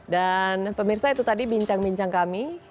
dan pemirsa itu tadi bincang bincang kami